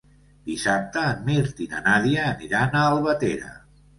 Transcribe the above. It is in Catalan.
Dissabte en Mirt i na Nàdia aniran a Albatera.